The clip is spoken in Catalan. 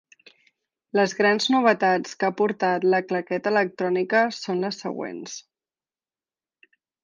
Les grans novetats que ha portat la claqueta electrònica són les següents.